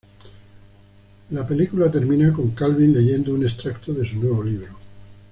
La película termina con Calvin leyendo un extracto de su nuevo libro.